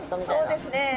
そうですね。